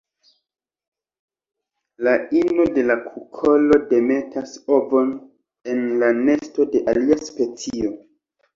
La ino de la kukolo demetas ovon en la nesto de alia specio.